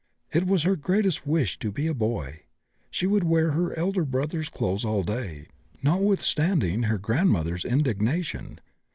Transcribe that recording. It was her greatest wish to be a boy. She would wear her elder brother's clothes all day, notwithstanding her grandmother's indignation.